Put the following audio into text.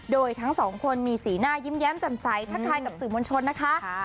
โดยทั้งสองคนมีสีหน้ายิ้มแย้มจำใสทักทายกับสื่อมวลชนนะคะ